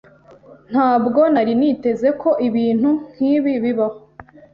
Ntabwo nari niteze ko ibintu nkibi bibaho.